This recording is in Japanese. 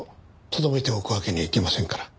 とどめておくわけにはいきませんから。